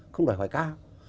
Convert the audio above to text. không đòi hỏi cao